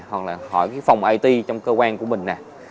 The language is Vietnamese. hoặc là hỏi phòng it trong cơ quan của mình